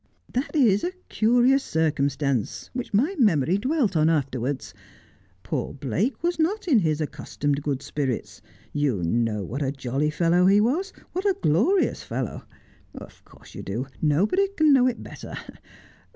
That is a curious circumstance, which my memory dwelt on afterwards. Poor Blake was not in his accustomed good spirits. Ycu know what a jolly fellow he was, what a glorious fellow. Of course you do ; nobody can know it better.